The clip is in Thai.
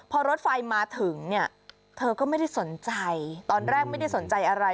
พอรถไฟมาถึงเนี่ยเธอก็ไม่ได้สนใจตอนแรกไม่ได้สนใจอะไร